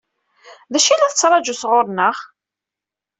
D acu i la tettṛaǧu sɣur-neɣ?